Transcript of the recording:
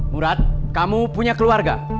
murad kamu punya keluarga